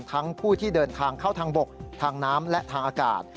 ผู้ที่เดินทางเข้าทางบกทางน้ำและทางอากาศ